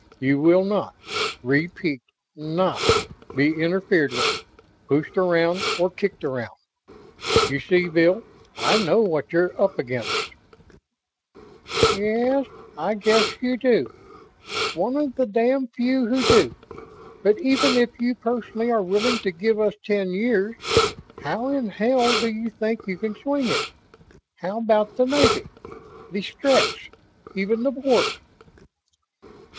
You will not repeat NOT be interfered with, pushed around or kicked around. You see, Bill, I know what you're up against." "Yes, I guess you do. One of the damned few who do. But even if you personally are willing to give us ten years, how in hell do you think you can swing it? How about the Navy the Stretts even the Board?"